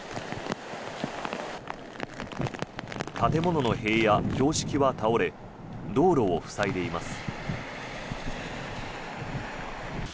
建物の塀や標識は倒れ道路を塞いでいます。